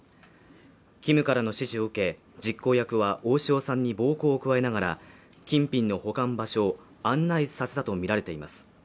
キムからの指示を受け実行役は大塩さんに暴行を加えながら金品の保管場所案内させたとみられています